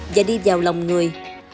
và đi vào lòng người